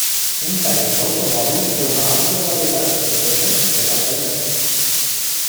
Un tècnic d'automòbil té una àmplia varietat de temes per aprendre.